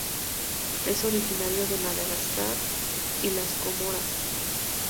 Es originario de Madagascar y las Comoras.